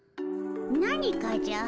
何かじゃ。